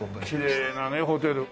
きれいなねホテル。